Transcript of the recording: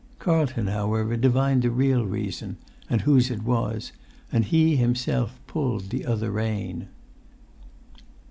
Carlton, however, divined the real reason, and whose it was, and he himself pulled the other rein.